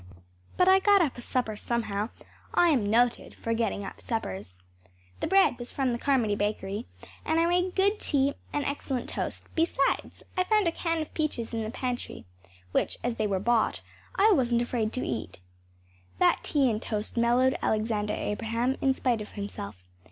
But I got up a supper somehow. I am noted for getting up suppers. The bread was from the Carmody bakery and I made good tea and excellent toast; besides, I found a can of peaches in the pantry which, as they were bought, I wasn’t afraid to eat. That tea and toast mellowed Alexander Abraham in spite of himself.